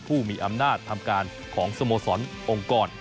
ผู้มีอำนาจทำการของสโมสรองค์กร